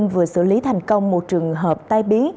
vừa xử lý thành công một trường hợp tai biến